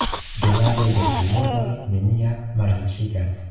Donado de almozoj neniam malriĉigas.